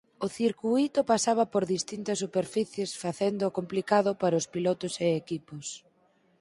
O circuíto pasaba por distintas superficies facéndoo complicado para os pilotos e equipos.